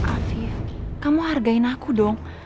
asis kamu hargain aku dong